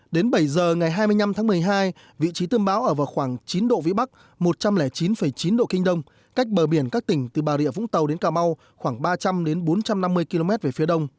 đến bảy giờ ngày hai mươi năm tháng một mươi hai vị trí tâm bão ở vào khoảng chín độ vĩ bắc một trăm linh chín chín độ kinh đông cách bờ biển các tỉnh từ bà rịa vũng tàu đến cà mau khoảng ba trăm linh bốn trăm năm mươi km về phía đông